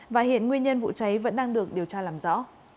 và hiện nguyên nhân vụ cháy vẫn đang được điều tra làm rõ